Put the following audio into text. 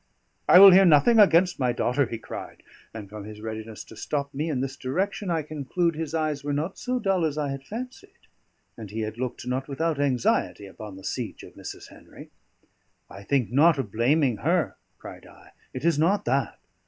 '" "I will hear nothing against my daughter," he cried; and from his readiness to stop me in this direction, I conclude his eyes were not so dull as I had fancied, and he had looked not without anxiety upon the siege of Mrs. Henry. "I think not of blaming her," cried I. "It is not that.